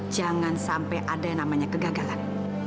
jangan sampai ada yang namanya kegagalan